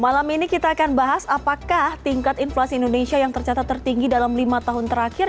malam ini kita akan bahas apakah tingkat inflasi indonesia yang tercatat tertinggi dalam lima tahun terakhir